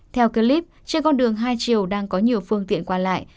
theo clip trên con đường hai chiều đang có nhiều phương tiện qua lại